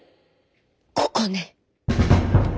ここね！